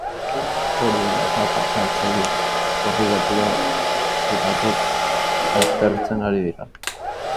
Hori dela eta, parte-hartzaile horri gertatutakoa aztertzen ari dira.